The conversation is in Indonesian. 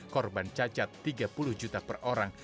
korban cacat tiga puluh juta per orang